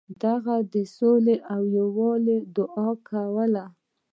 هغه د سولې او یووالي دعا کوله.